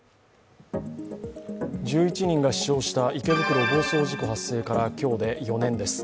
１１人が死傷した池袋暴走事故発生から今日で４年です。